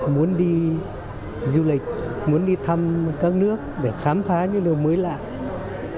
muốn đi du lịch muốn đi thăm các nước để khám phá những điều mới lạ